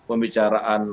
ada pembicaraan serius